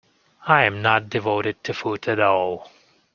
I am not devoted to food at all.